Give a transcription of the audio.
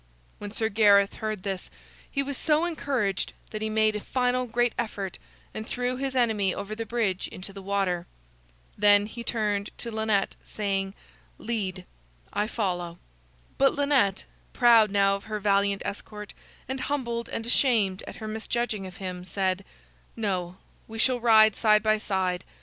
When Sir Gareth heard this, he was so encouraged that he made a final great effort and threw his enemy over the bridge into the water. Then he turned to Lynette, saying: "Lead; I follow." But Lynette, proud now of her valiant escort, and humbled and ashamed at her misjudging of him, said: "No, we shall ride side by side.